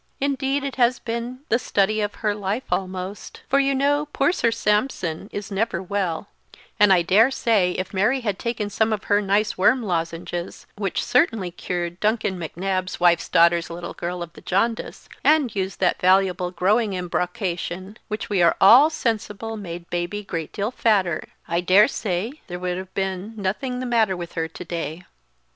Indeed it has been he study of her life almost; for, you know, poor Sir Sampson is never well; and I dare say, if Mary had taken some of her nice worm lozenges, which certainly cured Duncan M'Nab's wife's daughter's little girl of the jaundice, and used that valuable growing embrocation, which we are all sensible made Baby great deal fatter, I dare say there would have been thing the matter with her to day."